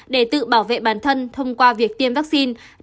để tự bảo vệ bản thân thông qua việc tiêm vaccine